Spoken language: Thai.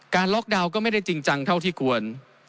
ล็อกดาวน์ก็ไม่ได้จริงจังเท่าที่ควร